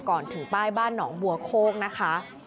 ก่อนถึงป้ายบ้านหนองบัวโคกนะคะ